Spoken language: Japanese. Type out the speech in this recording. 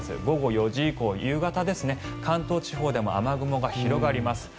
午後４時以降、夕方関東地方でも雨雲が広がります。